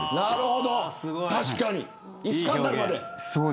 確かに、イスカンダルまで。